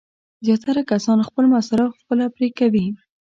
زیاتره کسان خپل مصارف خپله پرې کوي.